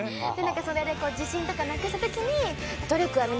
それで自信とかなくしたときに。